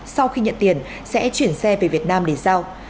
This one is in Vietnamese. sau khi nhận tiền sẽ chuyển xe về việt nam để giao